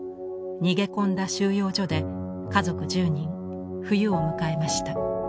逃げ込んだ収容所で家族１０人冬を迎えました。